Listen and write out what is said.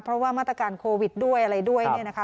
เพราะว่ามาตรการโควิดด้วยอะไรด้วยเนี่ยนะคะ